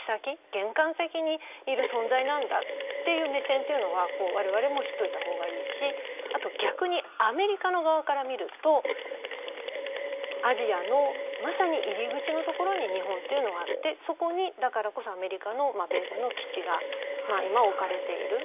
玄関先にいる存在なんだっていう目線というのは我々も知っておいたほうがいいし逆にアメリカの側から見るとアジアのまさに入り口のところに日本というのがあってそこに、だからこそアメリカの米軍の基地が今、置かれている。